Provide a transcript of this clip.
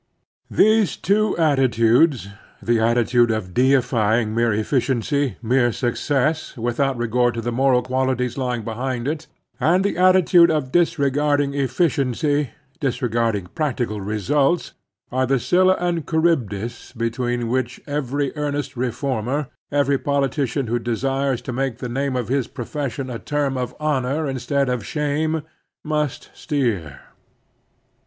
These two attitudes, the attitude of deifying mere efficiency, mere success, without regard to the moral qualities lying behind it, and the atti tude of disregarding efficiency, disregarding prac tical results, are the Scylla and Charybdis between which every earnest reformer, every politician who desires to make the name of his profession a term of honor instead of shame, must steer.